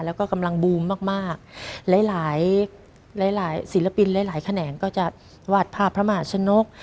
แล้วก็กำลังบูมมากมากหลายหลายศิลปินหลายหลายแขนงก็จะวาดภาพพระมหาชนก